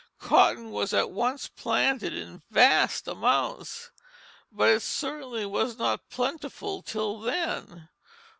Cotton was at once planted in vast amounts; but it certainly was not plentiful till then.